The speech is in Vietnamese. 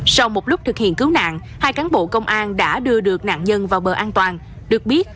sau một lúc thực hiện cứu nạn hai cán bộ công an đã đưa được nạn nhân vào bờ an toàn được biết